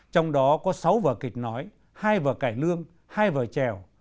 trong đó có sáu vở kịch nói hai vở cải lương hai vở trèo